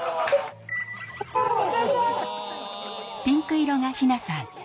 ピンク色が陽菜さん。